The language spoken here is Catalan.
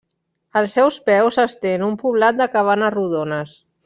Als seus peus s'estén un poblat de cabanes rodones.